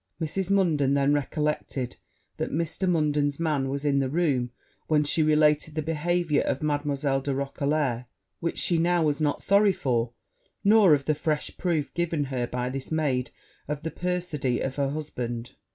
Mrs. Munden then recalled that Mr. Munden's man was in the room when she related the behaviour of Mademoiselle de Roquelair; which she now was not sorry for, nor of the fresh proof given her by this maid of the perfidy of her husband.